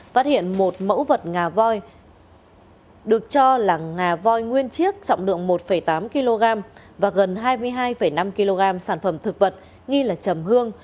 phát hiện một mẫu vật ngà voi được cho là ngà voi nguyên chiếc trọng lượng một tám kg và gần hai mươi hai năm kg sản phẩm thực vật nghi là chầm hương